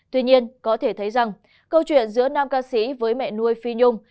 tuy nhiên có thể thấy rằng câu chuyện giữa nam ca sĩ với mẹ nuôi phi nhung